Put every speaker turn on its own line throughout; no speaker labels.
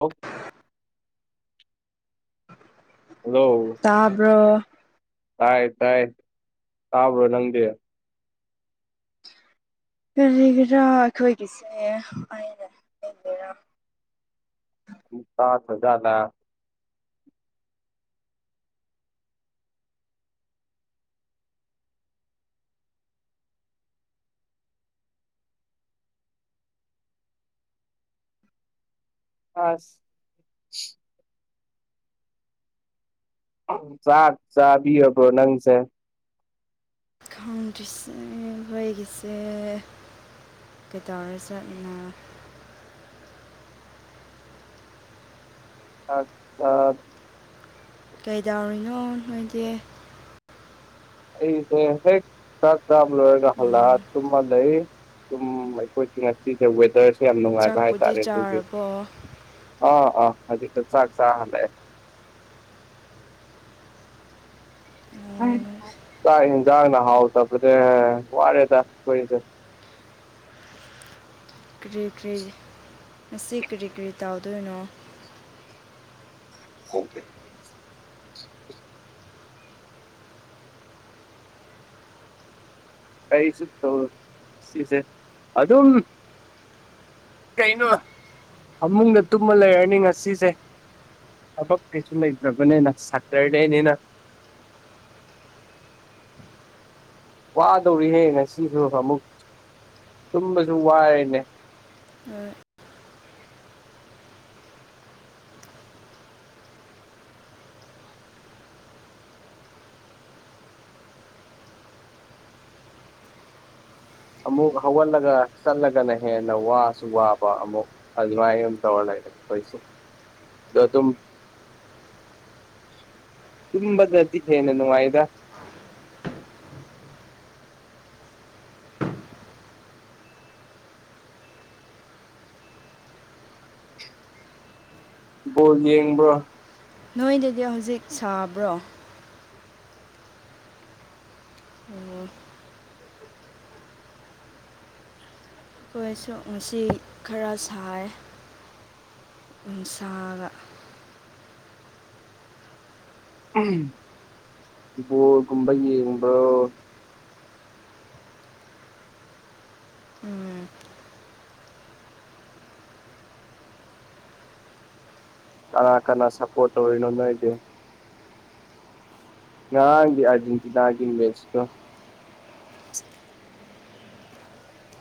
ꯑꯣ ꯍꯜꯂꯣ
ꯇꯕ꯭ꯔꯣ
ꯇꯥꯏ ꯇ ꯇꯥꯏ ꯇꯥꯕ ꯅꯗ
ꯀꯔꯤꯒꯤꯔꯥ ꯑꯩꯈꯣꯏꯒꯤꯁꯦ ꯑꯩꯅ ꯌꯦꯒꯦꯔꯥ
ꯄꯥꯁ ꯍꯖꯥꯗ ꯑꯁ ꯆꯥꯛ ꯆꯥꯕꯤꯔꯕ꯭ꯔꯣ ꯅꯪꯁꯦ
ꯀꯥꯎꯟꯗꯁ ꯑꯣꯏꯒꯤꯁꯦ ꯀꯩꯇꯥꯧꯔ ꯆꯠꯅ
[unintelligible] ꯑ
ꯀꯩꯗꯧꯔꯤꯅꯣ ꯅꯣꯏꯗꯤ
ꯑꯩꯁꯦ ꯍꯦꯛ ꯆ ꯇ ꯑꯣꯏꯒꯂ ꯇꯨꯃ ꯂꯩ ꯑꯩ ꯑꯩꯣꯏ ꯉꯁꯁꯦ ꯋꯦꯗꯔꯁ ꯌꯥꯝ ꯅꯨꯡꯉꯥꯏꯕ
ꯆꯥꯛꯄꯨꯗꯤ
ꯍꯥꯏꯇꯥꯔꯦ ꯑꯗꯨꯒꯤ
ꯆꯥꯔꯕꯣ
ꯑꯥ ꯑꯥ ꯑꯗꯨꯗꯤ ꯆꯥꯛ ꯆꯥꯍꯜꯂꯦ ꯆꯥꯛ ꯏꯟꯁꯥꯡꯅ ꯍꯥꯎꯇꯕꯅꯦ ꯋꯥꯔꯦꯗ ꯑꯩꯈꯣꯏꯁꯦ [inaudible]
ꯀꯔꯤ ꯀꯔꯤ ꯃꯁꯤꯁꯤ ꯀꯔꯤ ꯀꯔꯤ ꯇꯧꯗꯣꯏꯅꯣ
ꯑꯣꯦ ꯀꯩꯁꯨꯠꯇꯁꯦ ꯑꯗꯨ ꯑꯗꯨꯝ ꯀꯩꯅꯣ ꯐꯃꯨꯡꯗ ꯇꯨꯝꯃ ꯂꯩꯔꯅꯤ ꯉꯁꯤꯁꯦ ꯑꯕꯛ ꯀꯩꯁꯨ ꯂꯩꯒꯅꯦ ꯁꯇꯔꯗꯦꯅꯤꯅ [inaudible] ꯋꯥꯗꯧꯔꯤꯍꯦ ꯉꯁꯤꯁꯨ ꯑꯃꯨꯛ ꯇꯨꯝꯕꯁꯨ ꯋꯥꯔꯅꯦ
ꯎ
ꯑꯃꯨꯛ ꯍꯧꯒꯠꯂꯒ ꯆꯠꯂꯒꯅ ꯍꯦꯟꯅ ꯋꯥꯁꯨ ꯋꯥꯕ ꯑꯃꯨꯛ ꯑꯗꯨꯃꯥꯏꯅ ꯑꯃ ꯇꯧꯔ ꯂꯩ ꯩꯁ ꯑꯗ ꯑꯗꯨꯝ ꯇꯝꯕꯗ ꯆꯤꯁꯦꯅ ꯅꯨꯡꯉꯥꯏꯗ ꯣꯜ ꯌꯦꯕ
ꯅꯣꯏꯗꯗꯤ ꯍꯧꯖꯤꯛ ꯁꯥꯕ꯭ꯔꯣ ꯑꯣ ꯑꯩꯈꯣꯏꯁꯨ ꯉꯁꯤ ꯈꯔ ꯁꯥꯏ ꯏꯁꯗ
ꯒꯨꯝꯕ ꯌꯦꯡꯕ꯭ꯔꯣ
ꯎꯝ
ꯀꯅꯥ ꯀꯅꯥ ꯁꯄꯣꯠ ꯑꯣꯏꯅ ꯅꯗ ꯅꯥꯡꯦ ꯑꯔꯖꯦꯟꯇꯅꯥꯒꯤꯦ ꯃꯦꯁꯇꯣ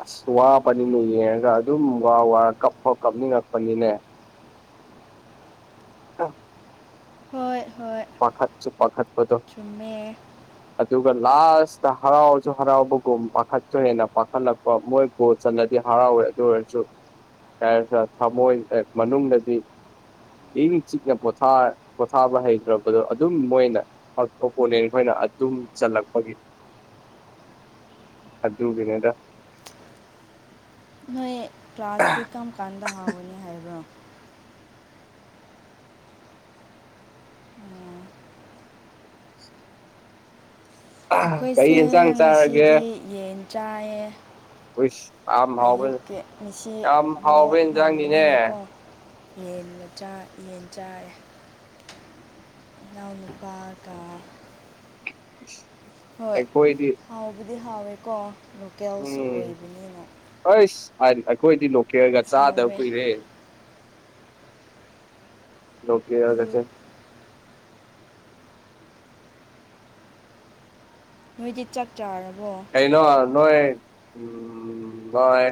ꯑꯁ ꯋꯥꯕꯅꯤꯅꯦ ꯌꯦꯡꯉꯒ ꯑꯗꯨꯝ ꯋꯥ ꯋꯥꯔ ꯀꯞꯐꯥꯎ ꯀꯞꯅꯤꯡꯉꯛꯄꯅꯤꯅꯦ ꯑ
ꯍꯣꯏ ꯍꯣꯏ
ꯄꯈꯥꯠ ꯆꯦ ꯄꯈꯠꯄꯗ
ꯆꯨꯝꯃꯦ
ꯑꯗꯨꯒ ꯂꯥꯁꯇ ꯍꯔꯥꯎꯁꯨ ꯍꯔꯥꯎꯕꯒꯨꯝ ꯄꯥꯈꯠꯁꯨ ꯍꯦꯟꯅ ꯄꯥꯈꯠꯂꯛꯄ ꯃꯣꯏ ꯕꯣꯠ ꯆꯠꯂꯗꯤ ꯍꯔꯥꯎꯋꯦ ꯑꯗꯨ ꯑꯣꯏꯔꯁꯨ ꯊꯃꯣꯏ ꯃꯅꯨꯡꯗꯗꯤ ꯏ ꯆꯤꯛꯅ ꯄꯣꯊ ꯄꯣꯊꯥꯕ ꯍꯩꯇ꯭ꯔꯕ ꯑꯗꯣ ꯑꯗꯨꯝ ꯃꯣꯏꯅ ꯑꯣꯄꯣꯅꯦꯟ ꯈꯣꯏꯅ ꯑꯗꯨꯝ ꯆꯜꯂꯛꯄꯒꯤ ꯑꯨ ꯅꯦꯗ
ꯀ꯭ꯂ꯭ꯂꯥꯥꯁꯇꯤꯀꯝ ꯀꯗ ꯍꯥꯎꯅꯤ ꯍꯥꯏꯕ꯭ꯔꯣ
ꯀꯩ
ꯑꯩꯈꯣꯏꯁꯦ
ꯌꯦꯟꯁꯥꯡ ꯆꯥꯔꯒꯦ
ꯉꯁꯤꯗꯤ ꯌꯦꯟ ꯆꯥꯏꯌꯦ
ꯍꯁ ꯌꯥꯝ ꯍꯥꯎꯕ
ꯑꯌꯨꯛꯀꯤ ꯉꯁꯤ
ꯌꯥꯝ ꯍꯥꯎꯕ
ꯃꯣꯔꯣꯛ ꯉꯥꯟꯕꯅꯤꯅꯀꯣ
ꯏꯟꯁꯥꯡꯅꯤꯅꯦ
ꯌꯦꯟꯒ ꯌꯦꯟ ꯆꯥꯏ ꯅꯥꯎꯅ ꯄꯥ ꯀ
ꯍ
ꯍꯣꯏ ꯍꯥꯎꯕꯗꯤ ꯍꯥꯎꯋꯦꯀꯣ ꯂꯣꯀꯦꯜꯁꯨ ꯑꯣꯏꯕꯅꯤꯅ
ꯍꯥꯏꯗꯤ ꯑꯩꯈꯣꯏꯗꯤ ꯂꯣꯀꯦꯜꯒ ꯆꯥꯗꯕ
ꯍꯥꯎꯋꯦ
ꯀꯨꯏꯔꯦ ꯂꯀꯦ ꯌꯥꯒꯁ
ꯑꯌꯨꯛ ꯅꯨꯗꯤ ꯆꯥꯛ ꯆꯔ
ꯍꯦꯅ ꯅꯣꯏ ꯎ ꯅꯣꯏ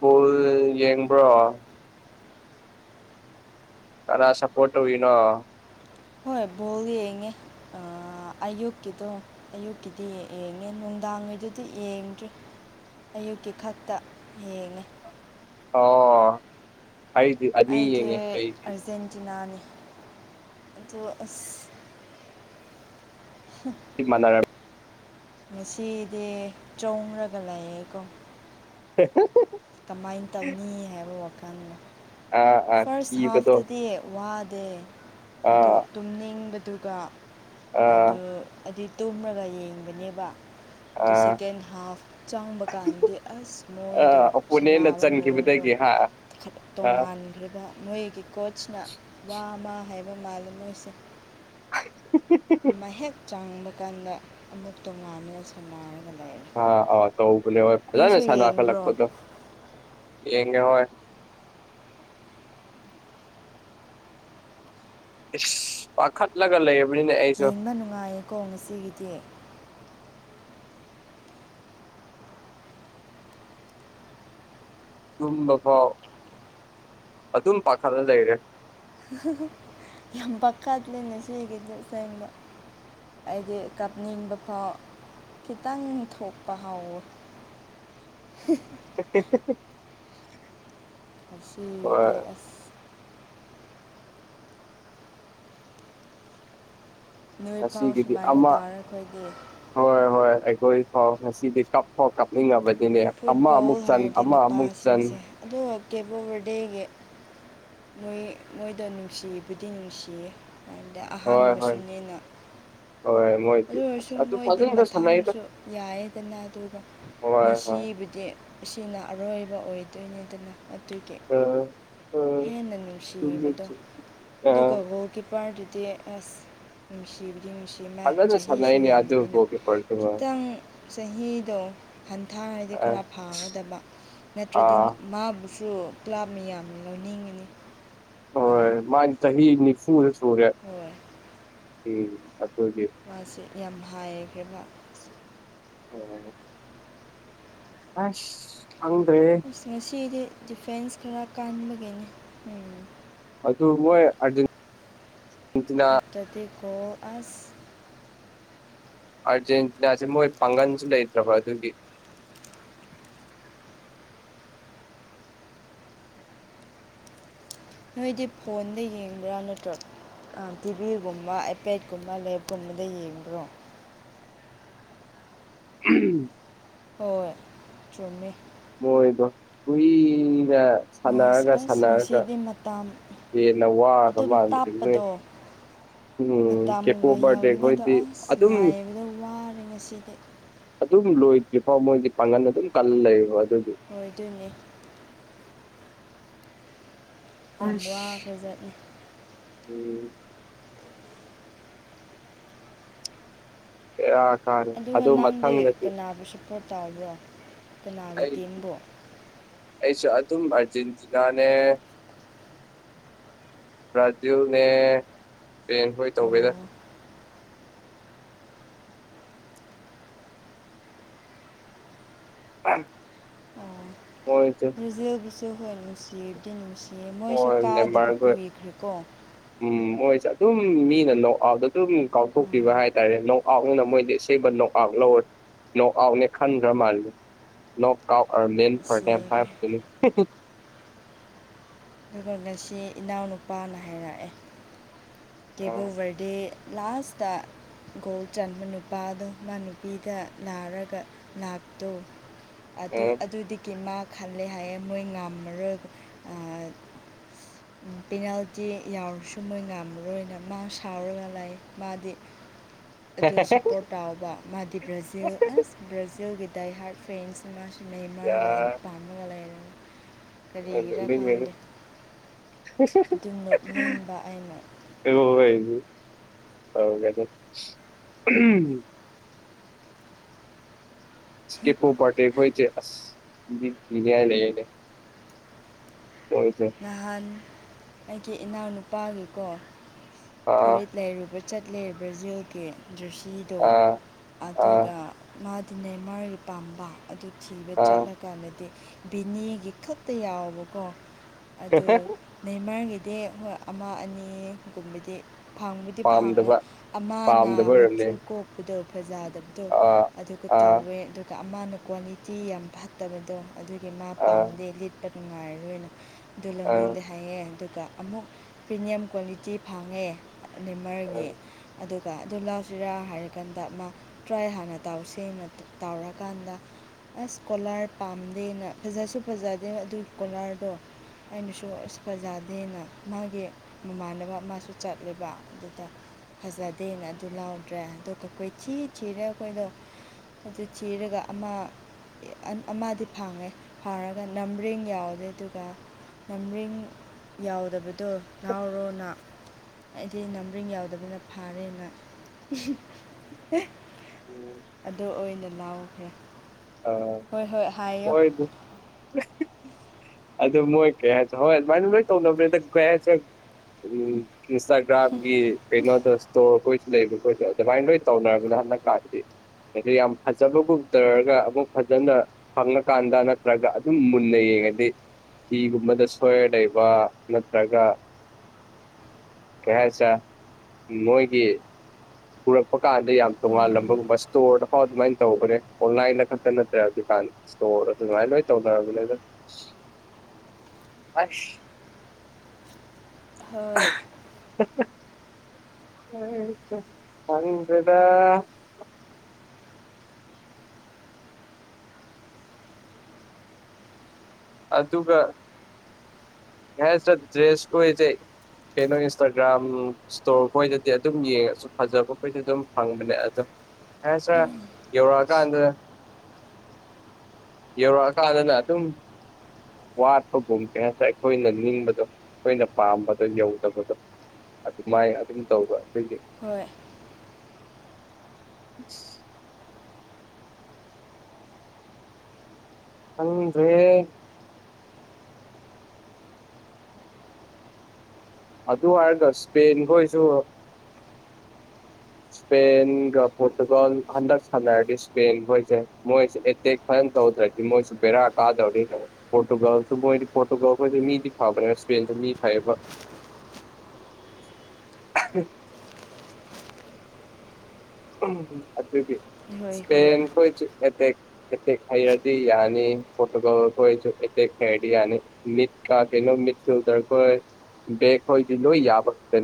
ꯚꯜ ꯌꯦꯡꯕ꯭ꯔꯣ ꯀꯅꯥ ꯁꯄꯣꯇ ꯑꯣꯏꯅꯣ
ꯍꯣꯏ ꯕꯣꯜ ꯌꯦꯡꯉꯦ ꯑꯌꯨꯛꯀꯤꯗꯣ ꯑꯌꯨꯛꯀꯤꯗꯤ ꯌꯦꯡꯉꯦ ꯅꯨꯡꯗꯥꯡ ꯋꯥꯥꯡꯉꯩꯗꯨꯗꯤ ꯌꯦꯡꯗ꯭ꯔꯤ ꯑꯌꯨꯛꯀꯤ ꯈꯛꯇ ꯌꯦꯡꯉꯦ
ꯑꯣ ꯑꯩꯗꯤ ꯑꯅꯤ
ꯑꯩꯗꯤ
ꯌꯦꯡꯉꯦ ꯑꯩꯗꯤ
ꯑꯔꯖꯦꯟꯇꯤꯅꯥꯅꯤ ꯑꯗꯨ ꯑꯁ
ꯃꯅꯔ
ꯉꯁꯤꯗꯤ ꯆꯣꯡꯔꯒ ꯂꯩꯥꯛꯑꯦꯀꯣ
ꯍ
ꯀꯃꯥꯏꯅ ꯇꯧꯅꯤ ꯍꯥꯏꯕ ꯋꯥꯐꯝ
ꯑꯥ ꯑꯥ
ꯐꯥꯔꯁ
ꯀꯤꯕꯗꯣ
ꯍꯥꯐꯇꯗꯤ ꯋꯥ ꯗꯦ ꯑꯗꯨ
ꯑꯥ
ꯇꯨꯝꯅꯤꯡꯕꯗꯨꯒ
ꯑꯥ
ꯑꯗꯨ ꯍꯥꯏꯗꯤ ꯇꯨꯝꯂꯒ ꯌꯦꯡꯕꯅꯦꯕ ꯑꯗꯨ
ꯑꯥ
ꯁꯦꯀꯦꯟ ꯍꯥꯐ ꯆꯪꯕ ꯀꯥꯟꯗꯤ ꯑꯁ
ꯑꯥ
ꯃꯣꯏꯗꯣ
ꯑꯣꯄꯣꯅꯦꯟꯅ
ꯁꯅꯥꯕ ꯃꯑꯣꯡꯗꯣ
ꯆꯟꯈꯤꯕꯗꯒꯤ ꯍꯥ ꯑꯥ
ꯇꯣꯉꯥꯟꯈ꯭ꯔꯤꯕ ꯃꯣꯏꯒꯤ ꯀꯣꯆꯅ ꯋꯥ ꯑꯃ ꯍꯥꯏꯕ ꯃꯥꯜꯂꯦ ꯃꯣꯏꯁꯦ
ꯍꯥꯏ
ꯃꯍꯦꯛ ꯆꯥꯡꯕ ꯀꯥꯟꯗ ꯑꯃꯨꯛ ꯇꯣꯉꯥꯟꯃꯤꯅ ꯁꯝꯅꯔ
ꯍ ꯑꯥꯎ ꯇꯂꯦ ꯃꯖ
ꯅꯣꯏꯁꯨ
ꯁꯥꯗ ꯑ ꯀ
ꯌꯦꯡꯕ꯭ꯔꯣ
ꯂꯥꯛꯄꯗ ꯌꯦꯅꯦ ꯍꯣꯏ ꯄꯥꯈꯠ ꯂꯒꯦꯜ ꯂꯩ
ꯌꯦꯡꯕ ꯅꯨꯡꯉꯥꯏꯌꯦꯀꯣ ꯉꯁꯤꯒꯤꯗꯤ
ꯇꯨꯝꯕ ꯐꯥꯎ ꯑꯗꯨꯝ ꯄꯥꯈꯠꯂ ꯂꯩꯔꯦ
ꯌꯥꯝ ꯄꯀꯗꯂꯤꯅꯁ ꯍꯒꯗꯦꯁꯥꯏꯗ ꯍꯥꯏꯗꯤ ꯀꯥꯞꯅꯤꯡꯕ ꯐꯥꯎ ꯈꯤꯇꯪ ꯊꯣꯛꯄ ꯍꯥꯎꯋꯤ [inaudible]
[inaudible]
ꯑ
ꯍꯣꯏ
ꯁꯤꯗꯤ ꯑꯁ ꯅꯣꯏ ꯐꯥꯎ
ꯉꯁꯤꯒꯤꯗꯤ
ꯁꯨꯃꯥꯏꯅ
ꯑꯃ
ꯇꯥꯔ ꯑꯩꯈꯣꯏꯒꯤ
ꯍꯣꯏ ꯍꯣꯏ ꯐꯥꯎ ꯉꯁꯤꯗꯤ ꯀꯞ ꯐꯥꯎ ꯀꯞꯅꯤꯡꯉꯕꯅꯤ
ꯐꯨꯠꯕꯣꯜ ꯍꯥꯏꯔꯗꯤ
ꯆꯟ
ꯅꯨꯄꯥꯁꯤꯡꯁꯦ ꯑꯗꯨꯒ ꯗꯦꯞ ꯑꯣꯐ ꯕꯥꯔꯗꯦꯒꯤ ꯃꯣꯏ ꯃꯣꯏꯗ ꯅꯨꯡꯁꯤꯕꯨꯗꯤ ꯅꯨꯡꯁꯤꯌꯦ ꯑꯗ
ꯍꯣꯏ ꯍꯣꯏ
ꯑꯍꯥꯟꯕꯁꯨꯅꯦꯅ
ꯍꯣꯏ ꯃꯣꯏꯗꯤ
ꯑꯗꯨ
ꯑꯁ
ꯑꯣꯏꯔꯁꯨ
ꯑꯗꯨ
ꯃꯣꯏꯗꯤ
ꯐꯖꯅ ꯁꯥꯟꯅꯩꯗ
ꯃꯊꯥꯡꯁꯨ ꯌꯥꯏꯑꯗꯅ ꯑꯗꯨꯒ
ꯍꯣꯏ ꯍꯣꯏ
ꯁꯤꯕꯨꯗꯤ ꯁꯤꯅ ꯑꯔꯣꯏꯕ ꯑꯣꯏꯗꯣꯏꯅꯤꯗꯅ ꯑꯗꯨꯒꯤ
ꯑ ꯑ
ꯍꯦꯟꯅ
ꯆꯨꯝꯃꯦ
ꯅꯨꯡꯁꯤꯕꯗꯣ
ꯆꯨꯝꯃꯦ ꯑ
ꯑꯗꯨꯒ ꯒꯣꯜꯒꯤ ꯄꯥꯔ ꯖꯦ ꯑꯦꯁ ꯁꯤ ꯁꯤꯃ
ꯐꯖꯅ
ꯆꯍꯤꯁꯨ
ꯁꯥꯟꯅꯩꯅꯦ ꯑꯗꯨ
ꯌꯥꯝꯕꯅꯤꯅ
ꯒꯣꯜꯀꯤꯄꯔꯗꯨ ꯑ
ꯈꯤꯇꯪ ꯆꯍꯤꯗꯣ ꯊꯥꯡꯗꯤ
ꯑ
ꯈꯔ ꯐꯥꯒꯗꯕ ꯅꯠꯇ꯭ꯔꯗꯤ
ꯑꯥ
ꯃꯥꯕꯨ ꯇꯨ ꯀ꯭ꯂꯥꯕ ꯃꯤ ꯌꯥꯝꯅ ꯂꯧꯅꯤꯡꯉꯤꯅꯤ
ꯑꯣ ꯃꯥꯟꯇꯍꯤ ꯅꯤꯐꯁ ꯁꯌꯥ
ꯍꯣꯏ
ꯎꯝ ꯑꯗꯨꯒꯤ
ꯃꯥꯁꯦ ꯌꯥꯝ ꯍꯥꯏꯒꯦꯕ
ꯑꯣ ꯍ ꯑꯁ ꯈꯪꯗ꯭ꯔꯦꯍꯦ
ꯑꯁ ꯉꯁꯤꯗꯤ ꯗꯤꯐꯦꯟꯁ ꯈꯔ ꯀꯥꯟꯕꯒꯤꯅꯤ ꯎꯝ
ꯑꯗꯨ ꯑꯗꯨ ꯃꯣꯏ ꯑꯔꯖꯦꯟ
ꯅꯠꯇꯗꯤꯀꯣ ꯑꯁ
ꯑꯥꯔꯖꯦꯟꯇꯤꯅꯥꯁꯦ ꯃꯣꯏ ꯄꯥꯡꯒꯟꯁꯨ ꯂꯩꯇ꯭ꯔꯕ ꯑꯗꯨꯒꯤ [inaudible]
ꯅꯣꯏꯗꯤ ꯐꯣꯟꯗ ꯌꯦꯡꯕ꯭ꯔꯥ ꯅꯠꯇ꯭ꯔꯣ ꯇꯤꯚꯤꯒꯨꯝꯕ ꯑꯥꯏꯄꯦꯠꯀꯨꯝꯕ ꯂꯦꯞꯀꯨꯝꯕꯗ ꯌꯦꯡꯕ꯭ꯔꯣ
[inaudible] ꯎꯝ
ꯍꯣꯏꯣꯏ ꯆꯨꯝꯃꯦ
ꯃꯣꯏꯗꯣ ꯀꯨꯏꯒ
ꯍꯣꯏ ꯑꯁ
ꯁꯥꯟꯅꯔꯒ
ꯑꯁ
ꯁꯥꯟꯅꯔꯒ
ꯉꯁꯤꯗꯤ ꯃꯇꯝ
ꯟꯅ ꯋꯥ ꯑꯉꯃꯔꯉꯦ
ꯃꯇꯝ ꯃꯨꯕ ꯌꯥꯎꯅꯤꯡꯉꯗꯣ
ꯈꯣꯏꯗꯤ
ꯑꯁ
ꯑꯗꯨꯝ
ꯉꯥꯏꯕꯗꯣ ꯋꯥꯔꯦ ꯉꯁꯤꯗꯤ
ꯑꯗꯨꯝ ꯂꯣꯏꯗ꯭ꯔꯤ ꯐꯣ ꯃꯣꯏꯗꯤ ꯄꯥꯡꯒꯟ ꯑꯗꯨꯝ ꯀꯜ ꯂꯩꯕ
ꯑꯣꯏꯗꯣꯏꯅꯦ ꯌꯥꯝ
ꯑꯁ
ꯋꯥꯈ꯭ꯔꯖꯥꯠꯅꯤ
ꯎꯝ ꯑ
ꯑꯗꯨꯒ ꯅꯪꯗꯤ ꯀꯅꯥꯕꯨ ꯁꯄꯣ ꯇꯥꯒꯣ
ꯑꯩ ꯑꯩꯁꯨ ꯇꯝ ꯑꯔꯖꯦꯟꯇꯤꯅꯥꯅꯦ ꯕ꯭ꯔꯥꯖꯤꯜꯅꯦ ꯏꯁꯄꯦꯟ ꯍꯣꯏ ꯇꯧꯧꯕꯦꯗ
ꯑꯣ
ꯍꯣꯏ ꯆ
ꯍ ꯅꯨꯡꯁꯤꯗꯤ ꯅꯨꯅꯨꯡꯁꯤ
ꯑꯣ ꯅꯦꯃꯔꯒꯣꯏ ꯎꯝ ꯑꯣꯏ ꯆꯠ ꯑꯗꯨꯝ ꯃꯤꯅ ꯂꯣꯛ ꯑꯥꯎꯗ ꯑꯗꯨꯝ
ꯎꯝ
ꯀꯥꯎꯊꯣꯛꯄꯤꯕ ꯍꯥꯏꯇꯥꯔꯦꯣꯛ ꯑꯥꯎꯠꯅꯤꯅ ꯃꯣꯏꯗꯤ ꯑꯁꯦꯕ ꯅꯣꯛ ꯑꯥꯎꯠ ꯂꯧꯔꯦ ꯅꯣꯛ ꯑꯥꯎꯠꯅꯦ ꯈꯟꯈ꯭ꯔ ꯃꯥꯜꯂꯦ ꯅꯣꯛ ꯑꯥꯎꯠ ꯑꯣ ꯃ ꯄ꯭ꯔꯣꯗꯝ ꯍꯥꯏ
ꯁꯤꯈ꯭ꯔꯦ ꯑꯗꯨꯒ ꯉꯁꯤ ꯏꯅꯥꯎꯅꯨꯄꯥꯅ ꯍꯥꯏꯔꯛꯑꯦ
ꯑ
ꯗꯦꯕ ꯑꯣꯐ ꯕꯔꯗꯦ ꯂꯥꯁꯇ ꯒꯣꯜ ꯆꯟꯕ ꯅꯨꯄꯥꯗꯣ ꯃꯥ ꯅꯨꯄꯤꯗ ꯂꯅꯥꯔꯒ ꯂꯥꯛꯇꯨ
ꯑ
ꯑꯗꯨ ꯑꯗꯨꯗꯒꯤ ꯃꯥ ꯈꯜꯂꯦ ꯍꯥꯏꯌꯦꯦ ꯃꯣꯏ ꯉꯝꯃꯔꯣꯏ ꯄꯦꯅꯥꯜꯇꯤ ꯌꯥꯎꯔꯁꯨ ꯃꯣꯏ ꯉꯃꯦ ꯃꯔꯨꯅ ꯃꯥ ꯁꯥꯎꯔꯒ ꯂꯥꯛ ꯃꯥꯗꯤ ꯑꯗꯨ ꯁꯞꯄꯣꯔꯠ ꯇꯥꯎꯕ ꯃꯥꯗꯤ ꯕ꯭ꯔꯥꯖꯤꯜ ꯑꯁ ꯕ꯭ꯔꯥꯖꯤꯜꯒꯤ ꯗꯗꯥꯏ ꯍꯔ ꯐ꯭ꯔꯦꯟꯁ ꯃꯥꯁ
ꯌꯥ
ꯀꯔꯤꯒꯤꯔꯥ
ꯅꯣꯛꯅꯤꯡꯉꯦꯗ
ꯈꯪꯗꯦ ꯑꯗꯨꯝ ꯅꯣꯛꯅꯤꯡꯕ ꯑꯩꯅ
[unintelligible] [unintelligible] [unintelligible] [unintelligible] ꯏꯁꯀꯤꯦꯄꯣ ꯄꯔꯦ ꯍꯣꯏ ꯑꯁ ꯅꯏ ꯂꯩꯅꯦ
ꯅꯍꯥꯟ ꯑꯩꯒꯤ ꯏꯅꯥꯎꯅꯨꯄꯥꯒꯤꯀꯣ
ꯑꯥ
ꯐꯨꯔꯤꯠ ꯂꯩꯔꯨꯕ ꯆꯠꯂꯦ ꯕ꯭ꯔꯥꯖꯤꯜꯒꯤ ꯖꯔꯁꯤꯗꯣ
ꯑꯥ ꯑꯥ
ꯑꯗꯨꯒ ꯃꯥ ꯅꯦ ꯃꯥꯔꯒꯤ ꯄꯥꯝꯕ ꯑꯗꯨ ꯊꯤꯕ
ꯑꯥ
ꯆꯠꯂꯀꯥꯟꯗꯗꯤ ꯚꯕꯤꯅꯦꯒꯤ ꯈꯛꯇ ꯌꯥꯎꯕꯀꯣ ꯑꯗꯨ ꯅꯃꯔꯒꯤ ꯗꯗꯤ ꯍꯣꯏ ꯑꯃ ꯑꯅꯤꯒꯨꯝꯕꯗꯤ ꯐꯪꯕꯨꯗꯤ ꯐꯪꯉꯦ
ꯄꯥꯝꯗꯕ
ꯑꯃꯅ
ꯄꯥꯝꯗꯕ ꯑꯣꯏꯔꯝꯅꯤ
ꯃꯆꯨ ꯀꯣꯛꯄꯗꯣ ꯐꯖꯥꯗ ꯐꯠꯇꯕꯗꯣ
ꯑꯥ
ꯑꯗꯨꯒ
ꯑꯥ
ꯇꯧꯋꯦ ꯑꯗꯨꯒ ꯑꯃꯅ ꯀ꯭ꯋꯥꯂꯤꯇꯤ ꯌꯥꯝ ꯐꯠꯇꯕꯗꯣ ꯑꯗꯨꯒꯤ ꯃꯥ
ꯑꯥ
ꯄꯥꯝꯗꯦ ꯂꯤꯠꯄ ꯅꯨꯡꯉꯥꯏꯔꯔꯣꯏꯅ ꯑꯗꯨ
ꯑꯥ
ꯂꯧꯅꯤꯡꯗ ꯍꯥꯏꯌꯦꯦ ꯑꯗꯨ ꯑꯗꯨꯒ ꯑꯃꯨꯛ ꯄ꯭ꯔꯤꯃꯤꯌꯝ ꯀ꯭ꯋꯥꯂꯤꯇꯤ ꯐꯪꯉꯦ
ꯑꯥ
ꯂꯤꯅꯤꯃꯔꯒꯤ ꯑꯗꯨ ꯀ ꯑꯗꯨ ꯂꯥꯎꯁꯤꯔꯥ ꯍꯥꯏꯔꯀꯥꯟꯗ ꯃꯥ ꯇ꯭ꯔꯥꯏ ꯍꯥꯟꯅ ꯇꯥꯎꯁꯦꯡꯅ ꯇꯥꯎꯔꯀꯥꯟꯗ ꯑꯁ ꯀꯣꯂꯥꯔ ꯄꯥꯝꯗꯦꯅ ꯐꯖꯁꯨ ꯐꯖꯗꯦ ꯑꯗꯨꯒꯤ ꯀꯣꯂꯥꯔꯗꯣ ꯑꯩꯅꯁꯨ ꯑꯁ ꯐꯖꯥꯗꯦꯅ ꯃꯥꯒꯤ ꯃꯃꯥꯟꯅꯕ ꯃꯥꯁꯨ ꯆꯠꯂꯦꯕ ꯑꯗꯨꯗ ꯐꯖꯗꯦꯅ ꯑꯗꯨ ꯂꯥꯎꯗ꯭ꯔꯦ ꯑꯗꯣ ꯀꯈꯣꯏ ꯊꯤ ꯊꯤꯔꯦ ꯑꯩꯈꯣꯏꯗꯣ ꯑꯗꯨ ꯆꯤꯔꯒ ꯑꯃ ꯑꯃꯗꯤ ꯐꯪꯉꯦ ꯐꯪꯉꯒ ꯅꯝꯕꯔꯤꯡ ꯌꯥꯎꯗꯦ ꯑꯗꯨꯒ ꯃꯔꯤꯡ ꯌꯥꯎꯗꯕꯗꯣ ꯅꯥꯍꯥꯎꯔꯣꯅ ꯑꯩꯗꯤ ꯅꯝꯕꯔꯤꯡ ꯌꯥꯎꯗꯕꯅ ꯐꯥꯔꯦꯅ
ꯎꯝ
ꯑꯗꯨ ꯑꯣꯏꯅ ꯂꯥꯎꯈ꯭ꯔꯦ
ꯑꯥ ꯍꯣꯏ ꯑꯗꯨ ꯑꯗꯨ ꯃꯣꯏ ꯀꯩ ꯍꯥꯏꯦ ꯍꯣꯏ ꯑꯗꯨꯃꯥꯏꯅ ꯂꯣꯏ ꯇꯧꯅꯕꯅꯤꯗ ꯀꯩ ꯍꯥꯏꯁꯦ ꯎꯝ ꯏꯟꯁꯇꯥꯒ꯭ꯔꯥꯝ ꯒꯤ ꯀꯩꯅ ꯗꯣꯁꯇ ꯀꯣꯏ ꯂꯩꯕ ꯈꯣꯁ ꯑꯗꯨꯃꯥꯏꯅ ꯂꯣꯏ ꯇꯧꯅꯔꯔꯕꯅꯤꯅ ꯍꯟꯗꯛ ꯀꯥꯟꯗꯤ ꯑ ꯌꯥꯝ ꯐꯖꯕꯒꯨꯝ ꯇꯧꯔꯒ ꯑꯃꯨꯛ ꯐꯖꯅ ꯐꯪꯉꯀꯥꯟꯗ ꯅꯠꯇ꯭ꯔꯒ ꯑꯗꯨꯝ ꯃꯨꯟꯅꯩꯌꯦ ꯌꯦꯉꯗꯤ ꯐꯤꯒꯨꯝꯕꯗ ꯁꯣꯏꯔ ꯂꯩꯕ ꯅꯠꯇ꯭ꯔꯒ ꯀꯆꯥ ꯃꯣꯏꯒꯤ ꯄꯨꯔꯛꯄ ꯀꯥꯟꯗ ꯌꯥꯝ
ꯎꯝ
ꯇꯣꯉꯥꯜꯂꯝꯕꯒꯨꯝꯕ ꯏꯁꯇꯣꯔꯗ ꯐꯥꯎ ꯑꯗꯨꯃꯥꯏꯅ ꯇꯧꯕꯅꯦ ꯑꯣꯟꯂꯥꯏꯟꯗ ꯈꯛꯇ ꯅꯠꯇ꯭ꯔꯦ ꯑꯗꯨꯀꯥꯟ ꯃꯥꯏꯅ ꯅꯣꯏ ꯇꯧꯅꯔꯃꯤꯅꯦꯗ
ꯍꯣꯏ
[unintelligible] ꯍꯗ ꯑꯗꯨꯒ ꯍꯦ ꯁ ꯗ꯭ꯔꯦꯁ ꯀꯁꯦ ꯀꯩꯅꯣ ꯏꯟꯁꯇꯥꯒ꯭ꯔꯥꯝ ꯏꯁꯇꯣꯔ ꯈꯣꯏꯗꯗꯤ ꯑꯗꯨꯝ ꯌꯦꯡꯉꯁꯨ ꯐꯖꯕꯈꯣꯏꯁꯨ ꯑꯗꯨꯝ ꯐꯪꯕꯅꯦ ꯑꯗꯨꯝ ꯑꯦꯁ ꯑꯦꯎ ꯀꯗ ꯌꯧꯔꯛꯑꯀꯥꯟꯗꯅ ꯑꯗꯨꯝ ꯋꯥꯠꯄꯒꯨꯝ ꯀꯦ ꯍꯥꯏꯦ ꯑꯩꯈꯣꯏꯅ ꯅꯤꯡꯕꯗꯣ ꯊꯈꯣꯏꯅ ꯄꯥꯝꯕꯗꯣ ꯌꯧꯗꯕꯗꯣ ꯑꯗꯨꯃꯥꯏꯅ ꯑꯗꯨꯝ ꯇꯧꯕ
ꯍꯣꯏ
ꯑ ꯑꯗꯦ ꯑꯗꯨ ꯍꯥꯏꯔꯒ ꯏꯁꯄꯦꯟꯈꯣꯏꯁꯨ ꯁꯄꯦꯟ ꯄꯣꯔꯇꯨꯒꯜ ꯍꯟꯗ꯭ꯔ ꯁꯗꯤ ꯁꯄꯦꯟꯁꯦ ꯃꯣꯏ ꯐ ꯇꯧꯗ꯭ꯔꯗꯤ ꯃꯣꯏꯁꯨ ꯕꯦꯔꯥ ꯀꯥꯗꯧꯔꯤ ꯐꯣꯇꯣꯒ꯭ꯔꯥꯐꯁꯨ ꯃꯣꯏꯗꯤ ꯐꯣꯇꯣꯒ꯭ꯔꯥꯐꯦ ꯃꯤꯗꯤ ꯐꯕꯅꯦꯦꯁ ꯃꯤ ꯐꯩꯕ ꯑꯗꯨꯗꯤ
ꯍꯣꯏ ꯍꯣꯏ
ꯁꯄꯦꯟ ꯀꯣꯏ ꯈꯥꯏꯗꯤ ꯌꯥꯅꯤ ꯐꯣꯇꯕꯜ ꯀꯣꯏꯁꯨ ꯈꯦꯗꯤ ꯌꯥꯅꯤ ꯃꯤꯠꯀ ꯃꯠꯁꯤꯗꯔ ꯦꯛꯣꯣꯏꯗꯣ ꯌꯥꯕꯅ